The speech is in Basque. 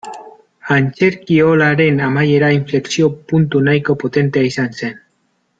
Antzerkiolaren amaiera inflexio-puntu nahiko potentea izan zen.